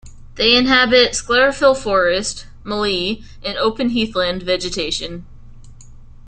They inhabit sclerophyll forest, mallee, and open heathland vegetation.